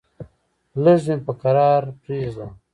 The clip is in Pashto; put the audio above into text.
لږ مې په کرار پرېږده!